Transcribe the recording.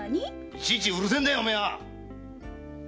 いちいちうるせえんだよお前は！